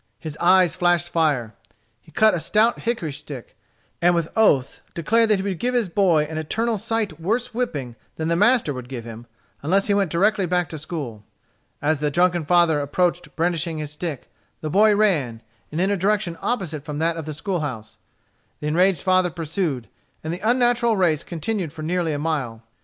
His eyes flashed fire. He cut a stout hickory stick, and with oaths declared that he would give his boy an "eternal sight" worse whipping than the master would give him, unless he went directly back to school. As the drunken father approached brandishing his stick, the boy ran, and in a direction opposite from that of the school house. The enraged father pursued, and the unnatural race continued for nearly a mile.